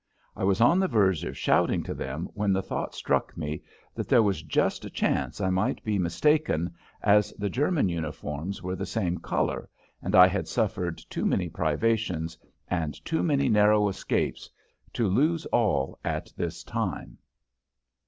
I was on the verge of shouting to them when the thought struck me that there was just a chance I might be mistaken, as the German uniforms were the same color, and I had suffered too many privations and too many narrow escapes to lose all at this time.